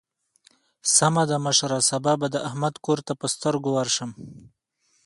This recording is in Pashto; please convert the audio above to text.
سمه ده مشره؛ سبا به د احمد کور ته پر سترګو ورشم.